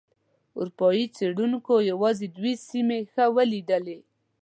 اروپایي څېړونکو یوازې دوه سیمې ښه ولیدلې.